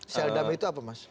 sel dump itu apa mas